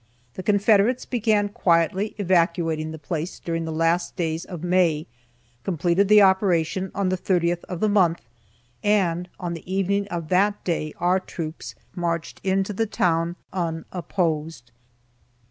The Confederates began quietly evacuating the place during the last days of May, completed the operation on the 30th of the month, and on the evening of that day our troops marched into the town unopposed.